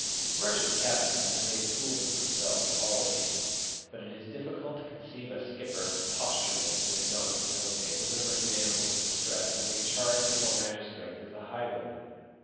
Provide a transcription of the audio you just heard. Merchant captains have made fools of themselves in all ages; but it is difficult to conceive a skipper posture making as Don Quixote, delivering damsels in distress, and being charged before magistrates as a highwayman.